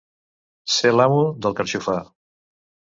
Ser l'amo del carxofar.